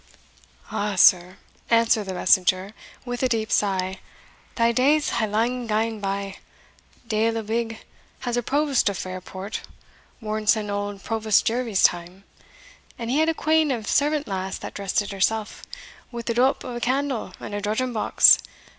"Ah sir," answered the messenger, with a deep sigh, "thae days hae lang gane by. Deil a wig has a provost of Fairport worn sin' auld Provost Jervie's time and he had a quean of a servant lass that dressed it herself, wi' the doup o' a candle and a drudging box.